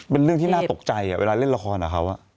เป็นเรื่องที่น่าตกใจเวลาเล่นละครกับเขา